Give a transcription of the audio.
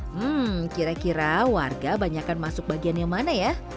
hmm kira kira warga banyakan masuk bagian yang mana ya